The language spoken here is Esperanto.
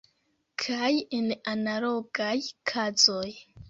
Kaj en analogaj kazoj.